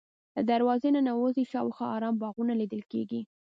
له دروازې ننوځې شاوخوا ارام باغونه لیدل کېږي.